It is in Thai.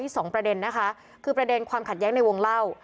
ร้องที่๒ประเด็นคือประเด็นความขัดแยงในวงเหล้า